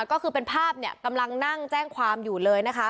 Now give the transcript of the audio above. ก็คือเป็นภาพเนี่ยกำลังนั่งแจ้งความอยู่เลยนะคะ